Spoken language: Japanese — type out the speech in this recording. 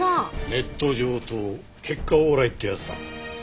ネット上等結果オーライってやつだ。